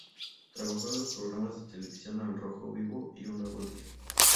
Trabajó en los programas de televisión Al Rojo Vivo y Un Nuevo Día